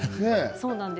そうなんです。